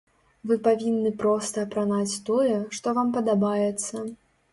Вы павінны проста апранаць тое, што вам падабаецца.